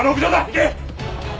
行け！